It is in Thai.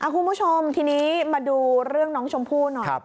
คุณผู้ชมทีนี้มาดูเรื่องน้องชมพู่หน่อย